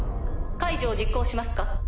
解除を実行しますか？